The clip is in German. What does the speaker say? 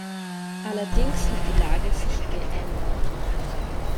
Allerdings hat die Lage sich geändert.